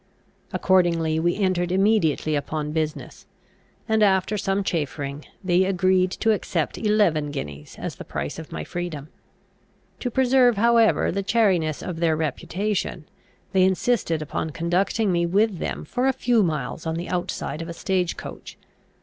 Accordingly we entered immediately upon business; and, after some chaffering, they agreed to accept eleven guineas as the price of my freedom. To preserve however the chariness of their reputation, they insisted upon conducting me with them for a few miles on the outside of a stage coach.